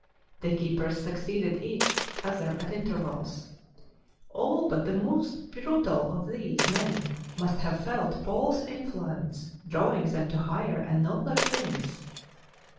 The keepers suc ceeded each other at intervals. All but the ii6 THE MARTYR'S CROWN 117 most brutal of these men must have felt Paul's influence drawing them to higher and nobler things.